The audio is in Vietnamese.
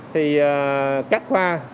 thì các khoa